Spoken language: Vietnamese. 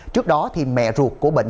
trước đó thì mẹ ruột của bệnh di